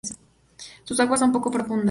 Sus aguas son poco profundas